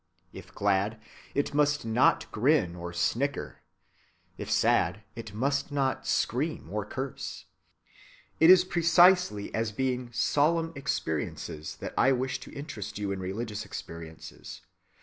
If glad, it must not grin or snicker; if sad, it must not scream or curse. It is precisely as being solemn experiences that I wish to interest you in religious experiences.